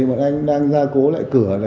bọn anh đang ra cố lại cửa